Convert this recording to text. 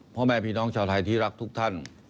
พ่อแม่พี่น้องชาวไทยที่รักทุกท่าน